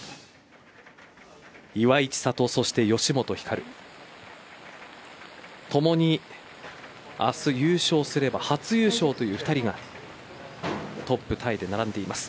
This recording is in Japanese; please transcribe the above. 岩井千怜、そして吉本ひかるともに明日優勝すれば初優勝という２人がトップタイで並んでいます。